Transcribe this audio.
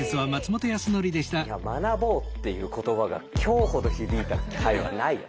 いや「学ぼう」っていう言葉が今日ほど響いた回はないよ。